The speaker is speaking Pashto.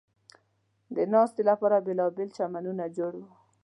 د ناستې لپاره بېلابېل چمنونه جوړ و.